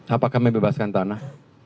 apakah membebaskan tanah